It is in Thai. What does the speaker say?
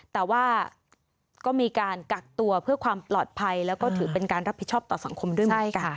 แต่ว่าก็มีการกักตัวเพื่อความปลอดภัยแล้วก็ถือเป็นการรับผิดชอบต่อสังคมด้วยเหมือนกัน